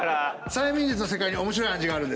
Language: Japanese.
催眠術の世界に面白い話あるんです。